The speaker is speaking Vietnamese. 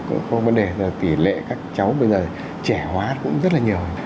cũng có vấn đề là tỷ lệ các cháu bây giờ trẻ hóa cũng rất là nhiều